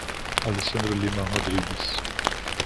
Alessandro Lima Rodrigues